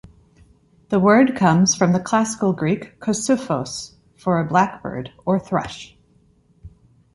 The word comes from the Classical Greek "kossuphos" for a blackbird or thrush.